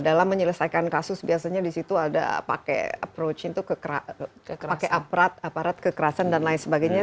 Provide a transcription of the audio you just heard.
dalam menyelesaikan kasus biasanya di situ ada pakai approach itu pakai aparat aparat kekerasan dan lain sebagainya